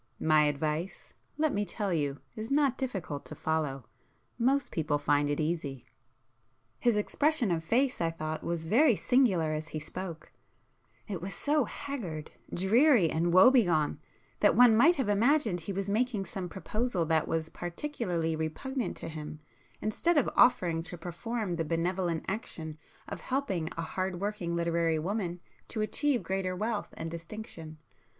My advice, let me tell you is not difficult to follow; most people find it easy!" His expression of face, I thought, was very singular as he spoke,—it was so haggard, dreary and woe begone that one might have imagined he was making some proposal that was particularly repugnant to him, instead of offering to perform the benevolent action of helping a hard working literary woman to achieve greater wealth and distinction.